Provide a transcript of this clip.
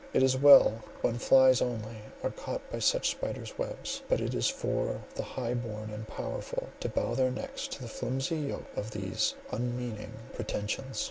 It is well when flies only are caught by such spiders' webs; but is it for the high born and powerful to bow their necks to the flimsy yoke of these unmeaning pretensions?